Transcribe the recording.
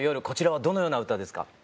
こちらはどのような歌ですか？